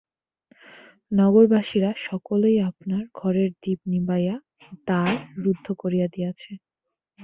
নগরবাসীরা সকলেই আপনার ঘরের দীপ নিবাইয়া দ্বার রুদ্ধ করিয়া দিয়াছে।